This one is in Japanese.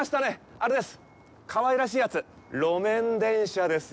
あれです、かわいらしいやつ、路面電車ですよ！